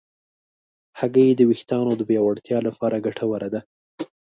هګۍ د ویښتانو د پیاوړتیا لپاره ګټوره ده.